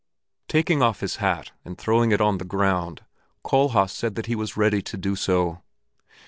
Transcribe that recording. Taking off his hat and throwing it on the ground Kohlhaas said that he was ready to do so.